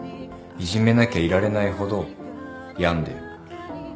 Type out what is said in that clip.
いじめなきゃいられないほど病んでる。